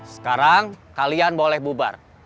sekarang kalian boleh bubar